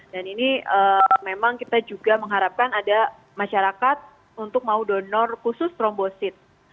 dan ini memang kita juga mengharapkan ada masyarakat untuk mau donor khusus trombosit